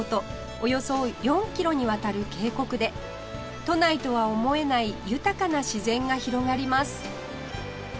およそ４キロにわたる渓谷で都内とは思えない豊かな自然が広がります